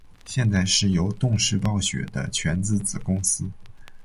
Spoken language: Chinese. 现在是由动视暴雪的全资子公司。